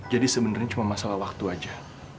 jadi sebenernya cuma masalah waktu aja